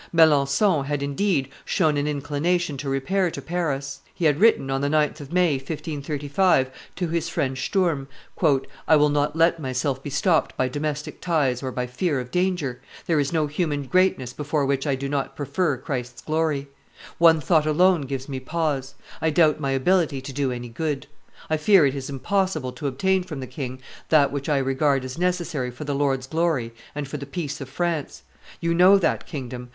Melancthon had, indeed, shown an inclination to repair to Paris; he had written, on the 9th of May, 1535, to his friend Sturm, "I will not let myself be stopped by domestic ties or by fear of danger. There is no human greatness before which I do not prefer Christ's glory. One thought alone gives me pause: I doubt my ability to do any good; I fear it is impossible to obtain from the king that which I regard as necessary for the Lord's glory and for the peace of France. You know that kingdom.